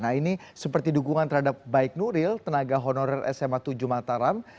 nah ini seperti dukungan terhadap baik nuril tenaga honorer sma tujuh mataram